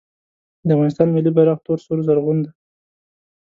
د افغانستان ملي بیرغ تور سور زرغون دی